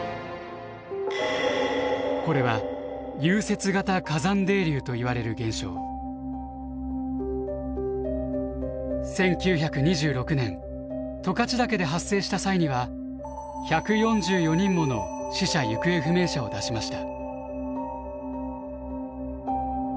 これは１９２６年十勝岳で発生した際には１４４人もの死者・行方不明者を出しました。